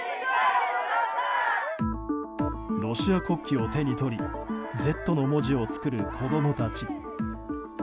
ロシア国旗を手に取り「Ｚ」の文字を作る子供たち。